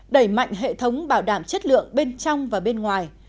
đẩy mạnh hệ thống bảo đảm chất lượng bên trong và bên ngoài